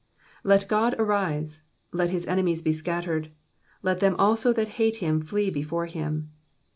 LET God arise, let his enemies be scattered : let them also that hate him flee before him.